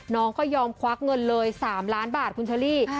น้องก็ยอมควักเงินเลย๓ล้านบาทคุณเชอรี่